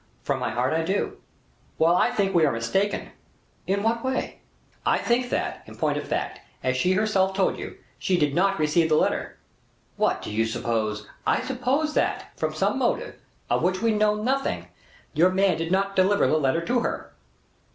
"From my heart I do." "Well, I think we are mistaken." "In what way?" "I think that, in point of fact, as she herself told you, she did not receive the letter." "What! do you suppose " "I suppose that, from some motive, of which we know nothing, your man did not deliver the letter to her."